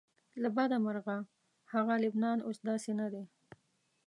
له بده مرغه هغه لبنان اوس داسې نه دی.